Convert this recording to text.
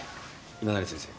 今成先生。